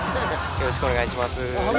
よろしくお願いします。